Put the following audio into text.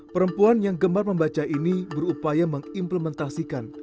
perempuan yang gemar membaca ini berupaya mengimplementasikan